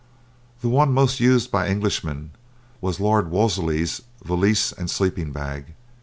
The one once most used by Englishmen was Lord Wolseley's "valise and sleeping bag."